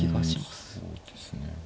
そうですね。